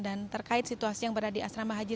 dan terkait situasi yang berada di asrama haji